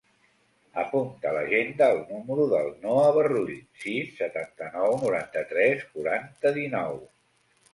Apunta a l'agenda el número del Noah Barrull: sis, setanta-nou, noranta-tres, quaranta, dinou.